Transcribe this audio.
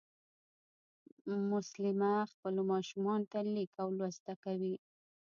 مسلیمه خپلو ماشومانو ته لیک او لوست زده کوي